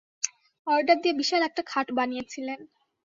Order দিয়ে বিশাল একটা খাট বানিয়েছিলেন।